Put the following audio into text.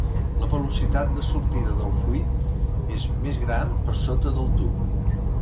La velocitat de sortida del fluid és més gran per sota del tub.